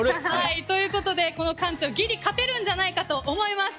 ということで、この館長ギリ勝てるんじゃないかと思います。